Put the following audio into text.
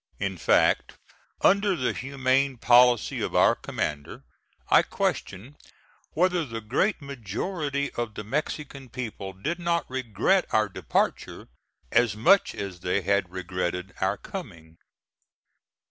In fact, under the humane policy of our commander, I question whether the great majority of the Mexican people did not regret our departure as much as they had regretted our coming.